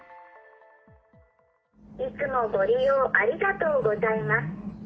いつもご利用ありがとうございます。